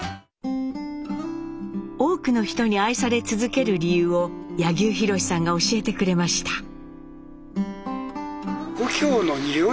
多くの人に愛され続ける理由を柳生博さんが教えてくれました。